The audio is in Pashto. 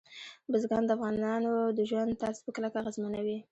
بزګان د افغانانو د ژوند طرز په کلکه اغېزمنوي.